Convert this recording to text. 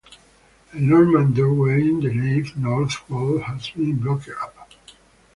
A Norman doorway in the nave north wall has been blocked up.